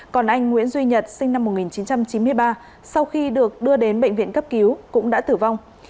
còn anh nguyễn duy nhật sinh năm một nghìn chín trăm chín mươi ba sau khi được đưa đến bệnh viện cấp cứu cũng đã tử vong